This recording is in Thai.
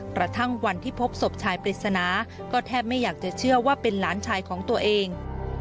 กระทั่งวันที่พบศพชายปริศนาก็แทบไม่อยากจะเชื่อว่าเป็นหลานชายของตัวเอง